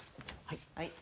はい。